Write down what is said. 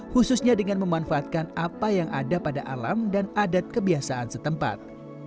khususnya dengan memanfaatkan apa yang ada pada alam dan adat kebiasaan setempat